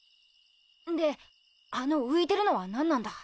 であの浮いてるのは何なんだ？